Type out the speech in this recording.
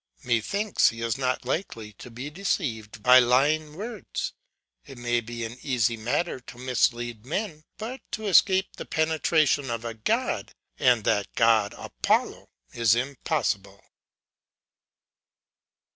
Methinks he is not likely to be deceived by lying words. It may be an easy matter to mislead men: but to escape the penetration of a God and that God Apollo is impossible.